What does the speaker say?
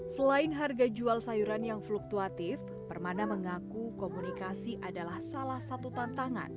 selain harga jual sayuran yang fluktuatif permana mengaku komunikasi adalah salah satu tantangan